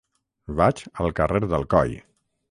Vaig al carrer d'Alcoi.